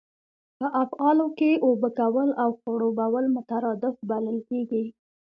په افعالو کښي اوبه کول او خړوبول مترادف بلل کیږي.